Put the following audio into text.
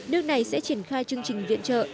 nước này sẽ triển khai chương trình viện trợ